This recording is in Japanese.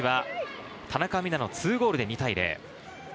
田中美南の２ゴールで２対０。